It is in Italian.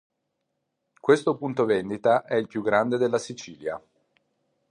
Questo punto vendita è il più grande della Sicilia.